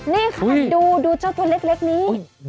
นี่ค่ะดูเจ้าตัวเล็กนี้